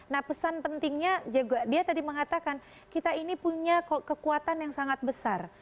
nah pesan pentingnya dia tadi mengatakan kita ini punya kekuatan yang sangat besar